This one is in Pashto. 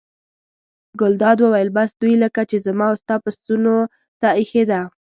ګلداد وویل: بس دوی لکه چې زما او ستا پسونو ته اېښې ده.